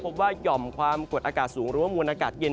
หย่อมความกดอากาศสูงหรือว่ามวลอากาศเย็น